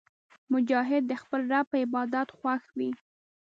مجاهد د خپل رب په عبادت خوښ وي.